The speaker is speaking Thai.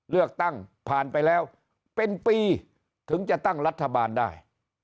เลือกตั้งผ่านไปแล้วเป็นปีถึงจะตั้งรัฐบาลได้